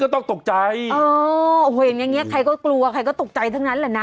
ต้องตกใจเออโอ้โหเห็นอย่างเงี้ใครก็กลัวใครก็ตกใจทั้งนั้นแหละนะ